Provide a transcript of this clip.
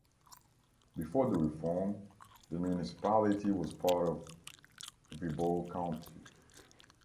Before the reform, the municipality was part of Viborg County.